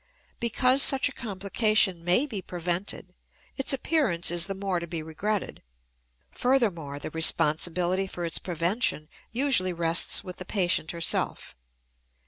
Because such a complication may be prevented, its appearance is the more to be regretted. Furthermore, the responsibility for its prevention usually rests with the patient herself.